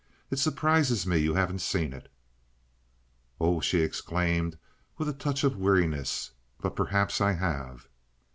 It surprises me you haven't seen it." "Oh," she exclaimed, with a touch of weariness, "but perhaps I have."